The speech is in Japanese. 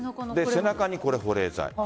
背中に保冷剤。